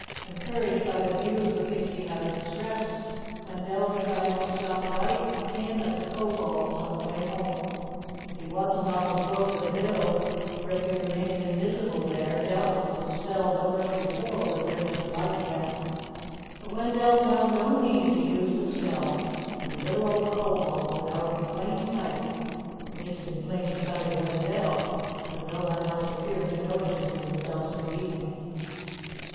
Encouraged by the views the Pixie had expressed, Wendell decided to stop right in at the Kobold's on the way home. If he wasn't on the slope of the hill, or if he remained invisible there, doubtless the spell that worked before would bring him to light again. But Wendell found no need to use the spell, for the little old Kobold was out in plain sight, at least in plain sight of Wendell, though no one else appeared to notice him in the dusk of evening.